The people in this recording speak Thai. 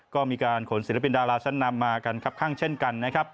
ก็มีการขนศิลปินดาราชั้นนำมากันครับข้างเช่นกันนะครับ